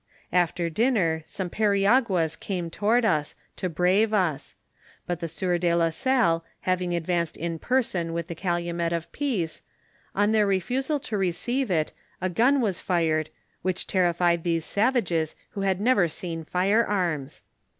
After dinner some periaguas came toward us, to brave us ; but the sieur de la Salle having advanced in person with the calumet of peace, on their refusal to receive it, a gun was fired which terrified these savages who had never seen fire arms.